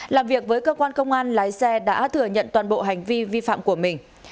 làm việc với cơ quan công an lái xe đã thừa nhận toàn bộ hành vi vi phạm của mình